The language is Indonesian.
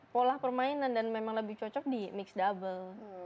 pola permainan dan memang lebih cocok di mixed double